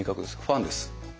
ファンです。